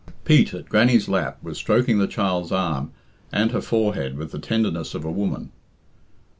Pete, at Grannie's lap, was stroking the child's arm and her forehead with the tenderness of a woman.